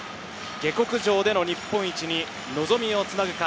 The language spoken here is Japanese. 下剋上での日本一に望みをつなぐか。